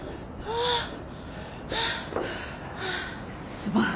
すまん。